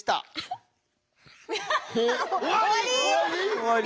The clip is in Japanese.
終わり！？